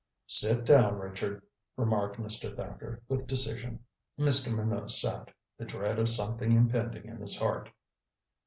"Sit down, Richard," remarked Mr. Thacker with decision. Mr. Minot sat, the dread of something impending in his heart.